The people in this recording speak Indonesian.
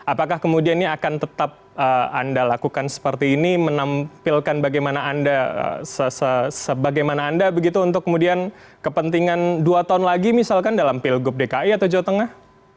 apakah kemudian ini akan tetap anda lakukan seperti ini menampilkan bagaimana anda sebagaimana anda begitu untuk kemudian kepentingan dua tahun lagi misalkan dalam pilgub dki atau jawa tengah